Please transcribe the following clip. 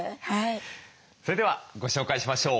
それではご紹介しましょう。